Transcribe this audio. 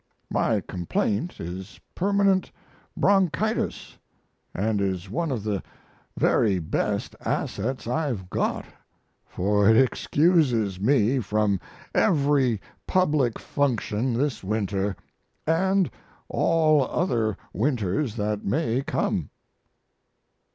My complaint is permanent bronchitis & is one of the very best assets I've got, for it excuses me from every public function this winter & all other winters that may come.